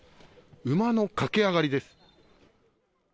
馬の駆け上がりです。